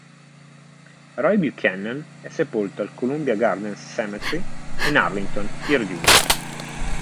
Roy Buchanan è sepolto al Columbia Gardens Cemetery in Arlington, Virginia.